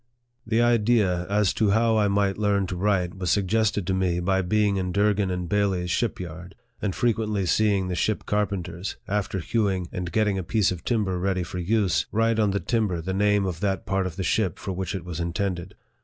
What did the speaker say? The idea as to how I might learn to write was sug gested to me by being in Durgin and Bailey's ship yard, and frequently seeing the ship carpenters, after hewing, and getting a piece of timber ready for use, write on the timber the name of that part of the ship for which it was intended.